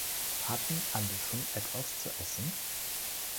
Hatten alle schon etwas zu essen?